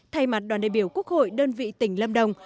thay mặt đoàn đại biểu quốc hội đơn vị tỉnh lâm đồng